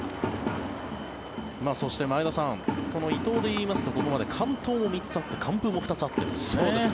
そして、前田さん伊藤で言いますとここまで完投も３つあって完封も２つあると。